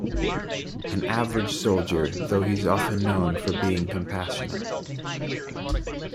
An average soldier though he's often known for being compassionate.